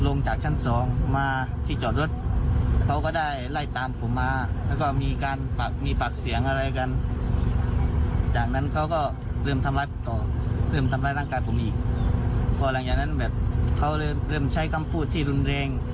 พอหลังจากนั้นแบบเขาเลยเริ่มใช้คำพูดที่รุนแรง